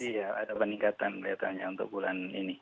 iya ada peningkatan kelihatannya untuk bulan ini